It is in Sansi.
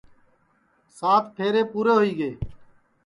سات پھیرے پُورے ہوئی گے